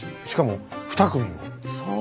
しかも２組も。